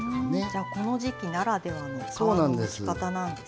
じゃあこの時期ならではの皮のむき方なんですね。